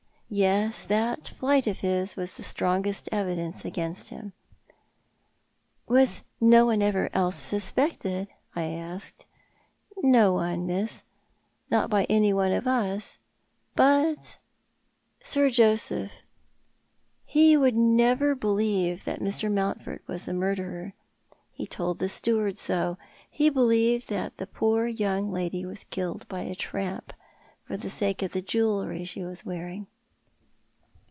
Yes, that flight of his was the strongest evidence against him. " Was no one else ever suspected ?" I asked. " No one, miss, not by any of us— but Sir Joseph, he would T 2 74 ThoiL art the Man. never believe that Mr. Mountford was the murderer. He told the steward so. He believed that the poor young lady was killed by a tramp, for the sake of the jewellery she was wearing."